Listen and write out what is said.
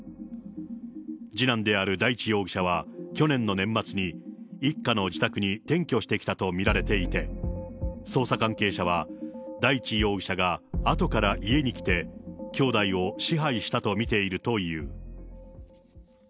次男である大地容疑者は、去年の年末に一家の自宅に転居してきたと見られていて、捜査関係者は、大地容疑者が後から家に来て、きょうだいを支配したと見ているという。